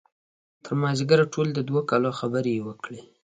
تر مازدیګر ټولې د دوه کالو خبرې یې وکړې.